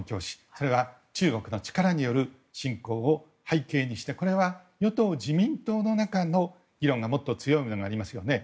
それは中国の力による侵攻を背景にしてこれは、与党・自民党の中の議論がもっと強いものがありますよね。